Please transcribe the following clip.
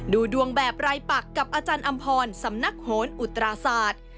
ดูดวงแบบรายปักกับอาจารย์อำพรสำนักโหนอุตราศาสตร์